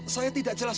saya tidak jelas